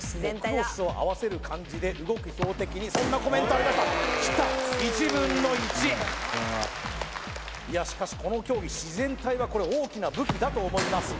クロスを合わせる感じで動く標的にそんなコメントありましたきた１分の１いやしかしこの競技自然体はこれ大きな武器だと思います